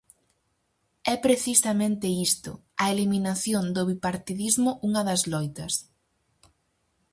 É precisamente isto, a eliminación do bipartidismo unha das loitas.